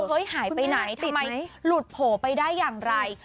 หายไปไหนทำไมหลุดโผล่ไปได้อย่างไร